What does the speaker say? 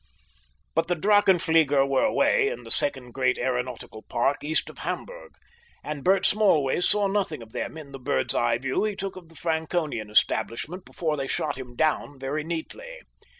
But the Drachenflieger were away in the second great aeronautic park east of Hamburg, and Bert Smallways saw nothing of them in the bird's eye view he took of the Franconian establishment before they shot him down very neatly.